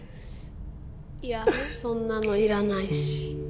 いやそんなのいらないし。